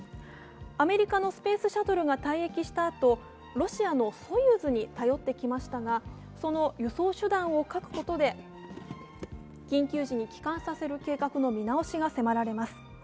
アメリカのスペースシャトルが退役したあと、ロシアのソユーズに頼ってきましたが、その輸送手段を欠くことで緊急時に帰還させる計画の見直しが迫られます。